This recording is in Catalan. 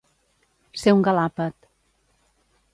Ser un galàpet.